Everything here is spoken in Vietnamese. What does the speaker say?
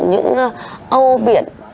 những âu biển